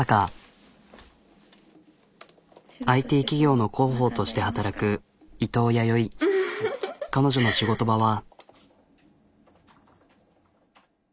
ＩＴ企業の広報として働く彼女の仕事場は。